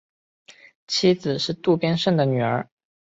妻子是渡边胜的女儿。